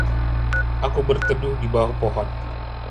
aku berteduh di bawah pohon